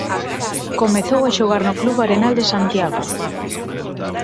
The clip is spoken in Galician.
Comezou a xogar no Club Arenal de Santiago.